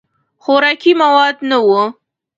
خوراکي مواد نه وو.